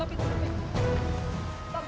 jalan ini jalan ini